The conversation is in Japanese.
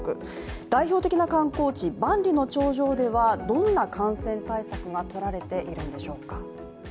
代表的な観光地・万里の長城では、どんな感染対策がとられているんでしょうか？